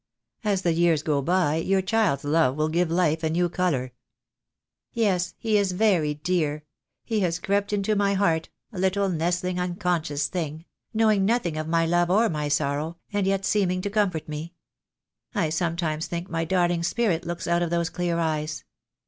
As the years go by your child's love will give life a new colour." "Yes, he is very dear. He has crept into my heart, little nestling unconscious thing — knowing nothing of my love or my sorrow, and yet seeming to comfort me. I sometimes think my darling's spirit looks out of those clear eyes.